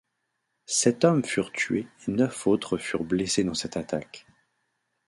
Sept hommes furent tués et neuf autres furent blessés dans cette attaque.